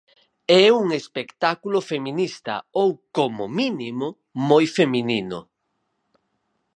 É un espectáculo feminista ou, como mínimo, moi feminino.